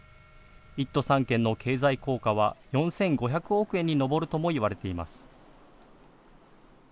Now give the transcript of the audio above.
１都３県の経済効果は４５００億円に上るともいわれています。